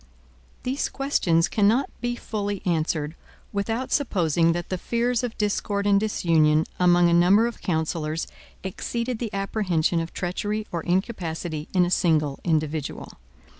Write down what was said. These questions cannot be fully answered, without supposing that the fears of discord and disunion among a number of counsellors exceeded the apprehension of treachery or incapacity in a single individual.